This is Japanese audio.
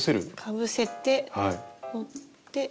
かぶせて持って。